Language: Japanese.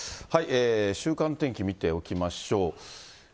週間天気見ておきましょう。